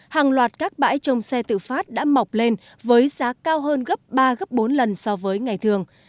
hàng loạt các bãi trồng xe tự phát đã mọc lên với giá cao hơn gấp ba gấp bốn lần so với ngày thường